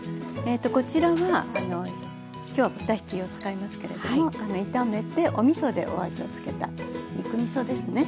こちらは今日は豚ひきを使いますけれども炒めておみそでお味をつけた肉みそですね。